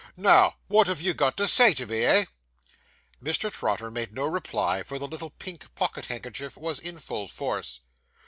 Now, what have you got to say to me, eh?' Mr. Trotter made no reply; for the little pink pocket handkerchief was in full force.